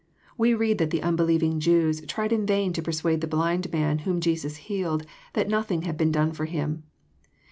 We read that the unbelieving Jews tried in vain to persuade the "blind man whom Jesus healed, that nothing had been done for him.